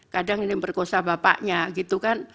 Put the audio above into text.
kadang ini yang diperkosa bapaknya gitu kan